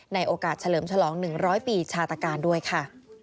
ในโอกาสเฉลิมฉลอง๑๐๐ปีชาตการด้วยค่ะ